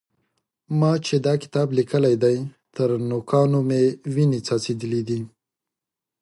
ما چې دا کتاب لیکلی دی؛ تر نوکانو مې وينې څڅېدلې دي.